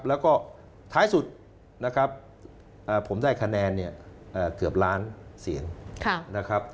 แล้วก็ท้ายสุดนะครับผมได้คะแนนเนี่ยเกือบล้านเสียงนะครับ